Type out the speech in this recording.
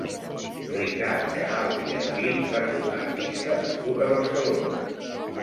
Ricard Canals i Llambí va ser un artista nascut a Barcelona.